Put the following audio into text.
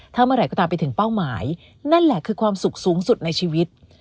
ถ้าเมื่อไหร่ก็ตามไปถึงเป้าหมายนั่นแหละคือความสุขสูงสุดในชีวิต